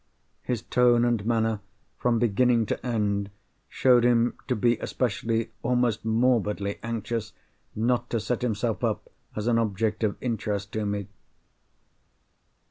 His tone and manner, from beginning to end, showed him to be especially, almost morbidly, anxious not to set himself up as an object of interest to me.